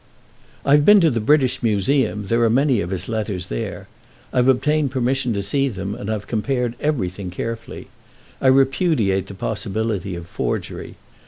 "I've been to the British museum—there are many of his letters there. I've obtained permission to see them, and I've compared everything carefully. I repudiate the possibility of forgery.